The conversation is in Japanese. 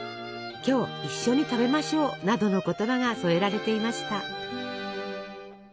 「今日一緒に食べましょう」などの言葉が添えられていました。